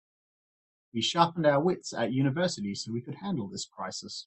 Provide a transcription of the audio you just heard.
We sharpened our wits at university so we could handle this crisis.